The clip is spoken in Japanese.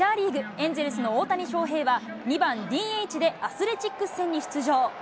エンゼルスの大谷翔平は２番ＤＨでアスレチックス戦に出場。